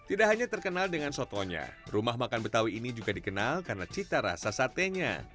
tidak hanya terkenal dengan sotonya rumah makan betawi ini juga dikenal karena cita rasa satenya